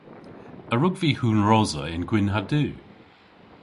A wrug vy hunrosa yn gwynn ha du?